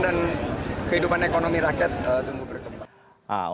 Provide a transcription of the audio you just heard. dan kehidupan ekonomi rakyat tumbuh berkembang